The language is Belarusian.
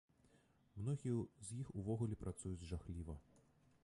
Многія з іх увогуле працуюць жахліва.